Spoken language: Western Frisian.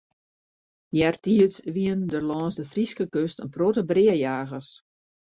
Eartiids wienen der lâns de Fryske kust in protte breajagers.